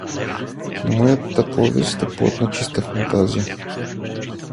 — Но моята повест е плод на чиста фантазия!